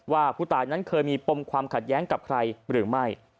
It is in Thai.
ว่าผู้ตายนั้นเคยมีปมความขัดแย้งกับใครหรือไม่